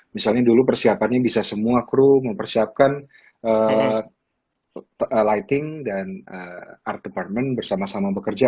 misalnya dulu persiapannya bisa semua kru mempersiapkan lighting dan art department bersama sama bekerja